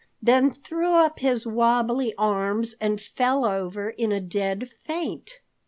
then threw up his wabbly arms and fell over in a dead faint.